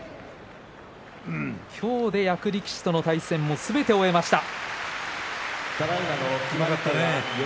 今日で役力士との対戦もすべて終えました。